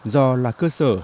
do là cơ sở